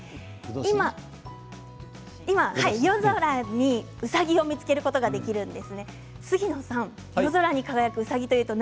今夜空にうさぎを見つけることができます。